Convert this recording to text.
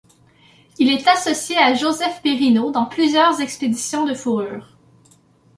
Il est associé à Joseph Périnault dans plusieurs expéditions de fourrures.